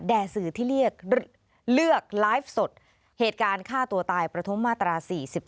แด่สื่อที่เรียกเลือกไลฟ์สดเหตุการณ์ฆ่าตัวตายประธมมาตรา๔๔